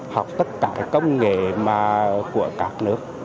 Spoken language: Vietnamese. học tất cả công nghệ của các nước